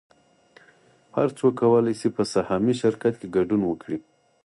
هر څوک کولی شي په سهامي شرکت کې ګډون وکړي